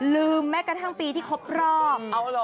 แม้กระทั่งปีที่ครบรอบ